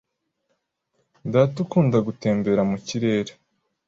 Data akunda gutembera mu kirere.